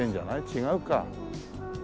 違うか。